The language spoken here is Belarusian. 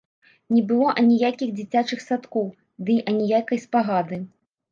Не было аніякіх дзіцячых садкоў, дый аніякай спагады.